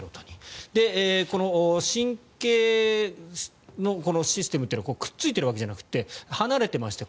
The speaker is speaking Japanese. この神経のシステムというのはくっついているんじゃなくて離れていまして